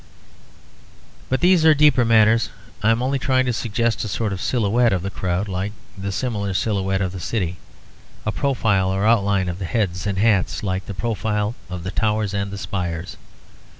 But these are deeper matters; I am only trying to suggest a sort of silhouette of the crowd like the similar silhouette of the city, a profile or outline of the heads and hats, like the profile of the towers and spires.